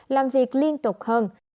làm việc liên tục hơn